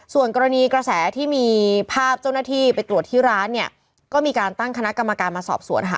ส่วนกรณีกระแสที่มีภาพเจ้าหน้าที่ไปตรวจที่ร้านเนี่ยก็มีการตั้งคณะกรรมการมาสอบสวนค่ะ